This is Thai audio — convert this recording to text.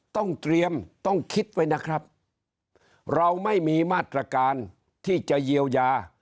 ต้องเตรียมต้องคิดไว้นะครับเราไม่มีมาตรการที่จะเยียวยา